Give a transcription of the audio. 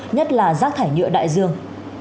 nhất là rác thải nhựa đại dương